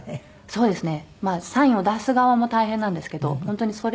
そうですね。